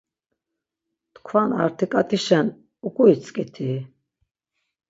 Tkvan artiǩartişen uǩuitzǩiti?